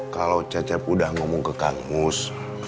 kalau cecep udah ngomong ke kang mus